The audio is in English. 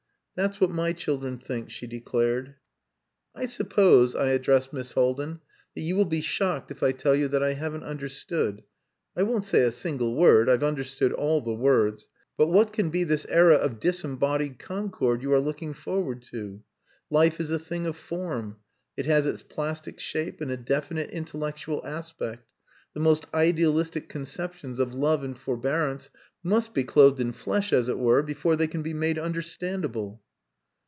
"That's what my children think," she declared. "I suppose," I addressed Miss Haldin, "that you will be shocked if I tell you that I haven't understood I won't say a single word; I've understood all the words.... But what can be this era of disembodied concord you are looking forward to. Life is a thing of form. It has its plastic shape and a definite intellectual aspect. The most idealistic conceptions of love and forbearance must be clothed in flesh as it were before they can be made understandable."